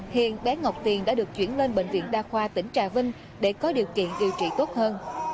hiện bé ngọc tiền đã được chuyển lên bệnh viện đa khoa tỉnh trà vinh để có điều kiện điều trị tốt hơn